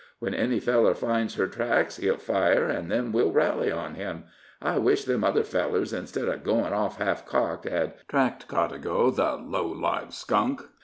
When any feller finds her tracks, he'll fire, an' then we'll rally on him. I wish them other fellers, instid of goin' off half cocked, hed tracked Codago, the low lived skunk.